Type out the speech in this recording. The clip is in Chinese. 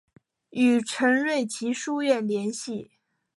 与陈瑞祺书院联系。